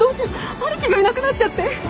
春樹がいなくなっちゃって。